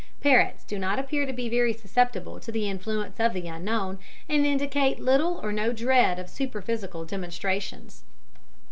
Parrots do not appear to be very susceptible to the influence of the Unknown, and indicate little or no dread of superphysical demonstrations.